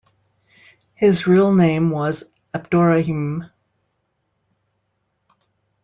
His real name was "Abdorrahim".